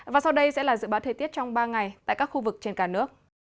và sau đây sẽ là dự báo thời tiết trong ba ngày tại các khu vực trên cả nước